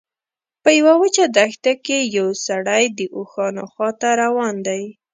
په یوه وچه دښته کې یو سړی د اوښانو خواته روان دی.